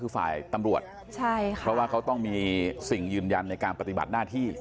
คือฝ่ายตำรวจใช่ค่ะเพราะว่าเขาต้องมีสิ่งยืนยันในการปฏิบัติหน้าที่